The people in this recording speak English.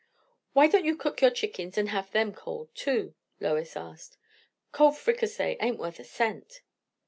"Why don't you cook your chickens and have them cold too?" Lois asked. "Cold fricassee ain't worth a cent."